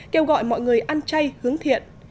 kêu gọi mọi người ăn chay hướng thiện